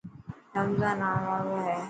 رمضان آن واڙو هي.